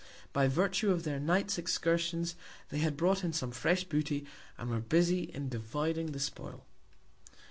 By Virtue of their Night's Excursions, they had brought in some fresh Booty, and were busy in dividing the Spoil.